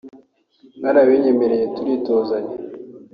Barabinyemereye turitozanya